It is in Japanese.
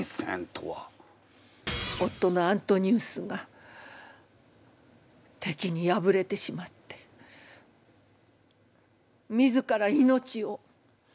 夫のアントニウスがてきに敗れてしまって自ら命を。